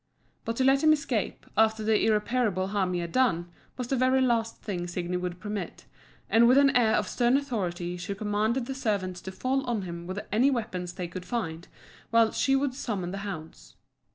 But to let him escape, after the irreparable harm he had done, was the very last thing Signi would permit; and with an air of stern authority she commanded the servants to fall on him with any weapons they could find, whilst she would summon the hounds.